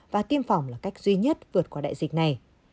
và tiêm phòng là cách duy nhất vượt qua đại dịch này